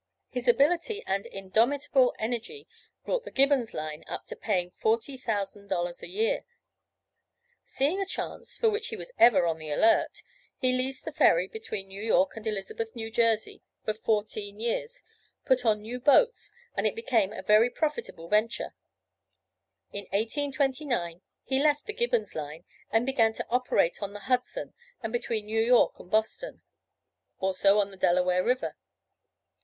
His ability and indomitable energy brought the "Gibbons Line" up to paying $40,000 a year. Seeing a chance, for which he was ever on the alert, he leased the ferry between New York and Elizabeth, New Jersey, for fourteen years, put on new boats and it became a very profitable venture. In 1829 he left the "Gibbons Line," and began to operate on the Hudson and between New York and Boston; also on the Delaware river.